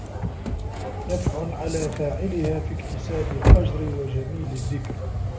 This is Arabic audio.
نَفْعٌ عَلَى فَاعِلِهَا فِي اكْتِسَابِ الْأَجْرِ وَجَمِيلِ الذِّكْرِ